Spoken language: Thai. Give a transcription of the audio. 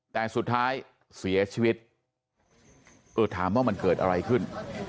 แต่สุดท้ายเสียชีวิตเออถามว่ามันเกิดอะไรขึ้น